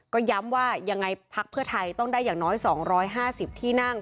ก็ย้ำว่ายังไงพักเพื่อไทยต้องได้อย่างน้อย๒๕๐ที่นั่ง